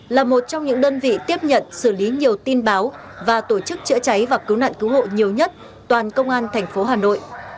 là một trong những đơn vị tiếp nhận xử lý nhiều tin báo và tổ chức chữa cháy và cứu nạn cứu hộ nhiều nhất toàn công an thành phố hà nội